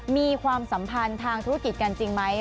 มีความสัมพันธ์ทางธุรกิจกันจริงไหม